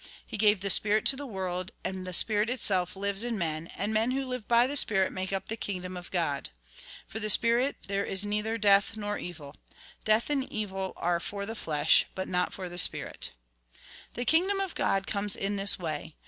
He gave the spirit to the world, and the spu'it itself lives in men, and men who live by the spirit make up the kingdom of God. For the spirit there is neither death nor evil. Death and evil are for the flesh, bnt not for the spirit. The kingdom of G od comes in this way.